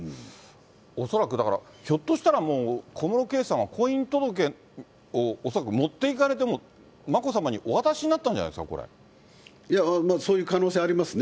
恐らくだから、ひょっとしたらもう、小室圭さんは婚姻届を、恐らく持っていかれて、もう眞子さまにお渡しになったんじゃないですか、いや、そういう可能性ありますね。